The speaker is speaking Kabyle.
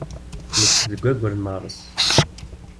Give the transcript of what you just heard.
Nekcem deg waggur n meɣres.